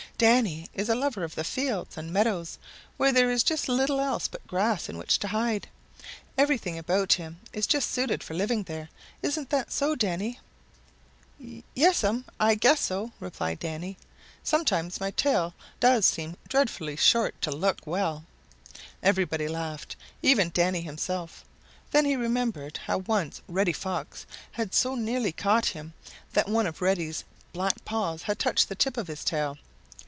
"Danny is a lover of the fields and meadows where there is little else but grass in which to hide. Everything about him is just suited for living there. Isn't that so, Danny?" "Yes'm, I guess so," replied Danny. "Sometimes my tail does seem dreadfully short to look well." Everybody laughed, even Danny himself. Then he remembered how once Reddy Fox had so nearly caught him that one of Reddy's black paws had touched the tip of his tail.